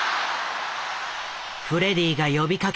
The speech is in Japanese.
フレディが呼びかけ